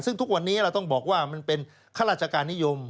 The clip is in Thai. ซึ่งทุกวันนี้เราต้องบอกว่ามันเป็นข้าราชการนิยม